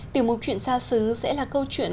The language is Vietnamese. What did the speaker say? tử mục chuyện xa xứ sẽ là câu chuyện